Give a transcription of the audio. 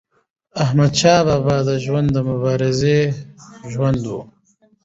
احمدشاه بابا د ژوند د مبارزې ژوند و.